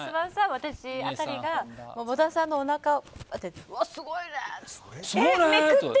私辺りが窪田さんのおなかをうわ、すごいねって。